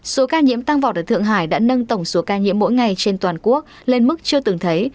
số ca nhiễm tăng vọt ở thượng hải đã nâng tổng số ca nhiễm mỗi ngày trên toàn quốc lên mức chưa từng thấy